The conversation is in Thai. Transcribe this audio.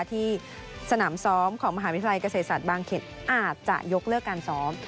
ที่สนามซ้อมของมหาวิทยาลัยเกษตรศาสตร์บางเขนอาจจะยกเลิกการซ้อม